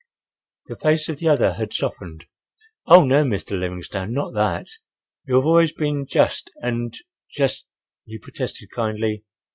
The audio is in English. The face of the other had softened. "Oh, no, Mr. Livingstone, not that. You have always been just—and—just;" he protested kindly.